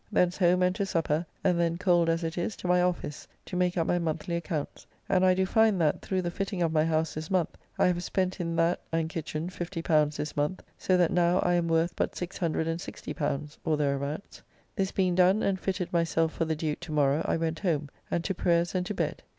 Thence home and to supper, and then, cold as it is, to my office, to make up my monthly accounts, and I do find that, through the fitting of my house this month, I have spent in that and kitchen L50 this month; so that now I am worth but L660, or thereabouts. This being done and fitted myself for the Duke to morrow, I went home, and to prayers and to bed.